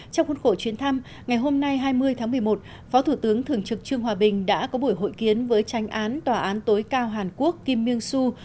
trong khuôn khổ chuyến thăm ngày hôm nay hai mươi tháng một mươi một phó thủ tướng thường trực trương hòa bình đã có buổi hội kiến với tranh án tòa án tối cao hàn quốc kim myung su